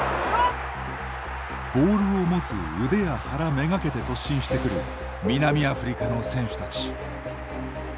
ボールを持つ腕や腹めがけて突進してくる南アフリカの選手たち。